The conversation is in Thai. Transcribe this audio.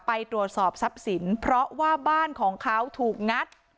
ไปตรวจสอบทรัพย์สินเพราะว่าบ้านของเขาถูกงัด